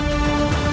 aku akan menemukanmu